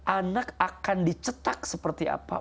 anak akan dicetak seperti apa